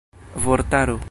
vortaro